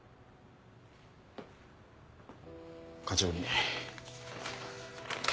課長に。